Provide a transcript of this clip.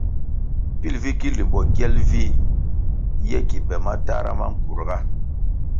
Pil vi ki limbo kyel vih ye ki be matahra ma nkurga.